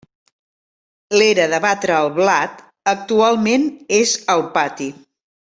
L'era de batre el blat actualment és el pati.